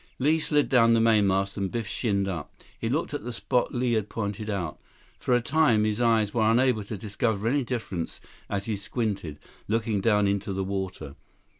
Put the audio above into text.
Li slid down the mast and Biff shinned up. He looked at the spot Li had pointed out. For a time, his eyes were unable to discover any difference as he squinted, looking down into the water.